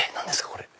これ。